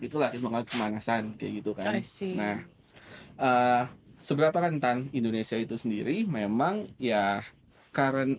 itulah kemangasan kayak gitu kan nah seberapa rentan indonesia itu sendiri memang ya karena